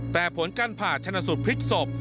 แต่ผลการผ่าชนะสูตรพลิกศพ